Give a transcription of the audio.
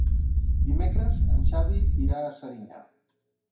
Dimecres en Xavi irà a Serinyà.